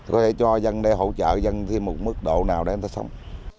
có thể cho dân đây hỗ trợ dân thêm một mức độ nào để người ta sống